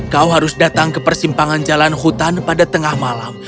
kau harus datang ke persimpangan jalan hutan pada tengah malam